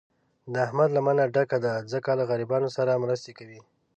د احمد لمنه ډکه ده، ځکه له غریبانو سره مرستې کوي.